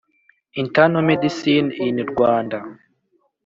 internal medicine in rwanda